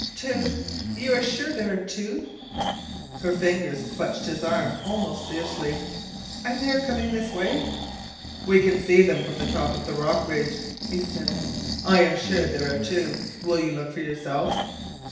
"Two? You are sure there are two?" Her fingers clutched his arm almost fiercely. "And they are coming this way?" "We can see them from the top of the rock ridge," he said. "I am sure there are two. Will you look for yourself?"